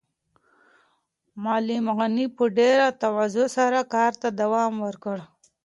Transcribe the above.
معلم غني په ډېره تواضع سره کار ته دوام ورکړ.